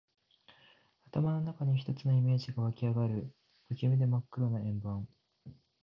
頭の中に一つのイメージが湧きあがる。不気味で真っ黒な円盤。